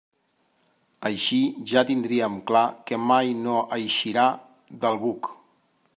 Així ja tindríem clar que mai no eixirà del buc.